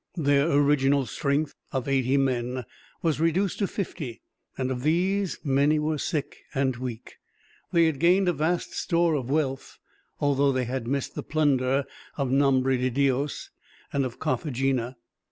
Their original strength, of eighty men, was reduced to fifty; and of these, many were sick and weak. They had gained a vast store of wealth, although they had missed the plunder of Nombre de Dios and of Carthagena.